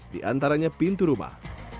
di antaranya pintu rumah